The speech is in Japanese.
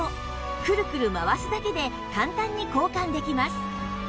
クルクル回すだけで簡単に交換できます